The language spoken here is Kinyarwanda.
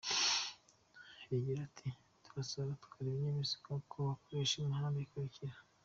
Rigira riti “Turasaba abatwara ibinyabiziga ko bakoresha imihanda ikurikira.